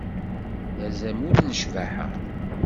D azamul n ccbaḥa.